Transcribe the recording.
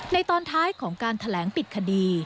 ตอนท้ายของการแถลงปิดคดี